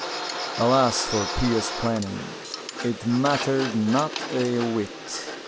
Alas for pious planning It mattered not a whit!